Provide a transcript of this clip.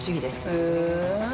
へえ。